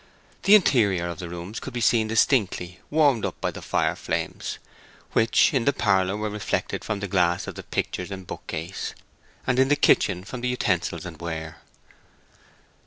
The interior of the rooms could be seen distinctly, warmed up by the fire flames, which in the parlor were reflected from the glass of the pictures and bookcase, and in the kitchen from the utensils and ware.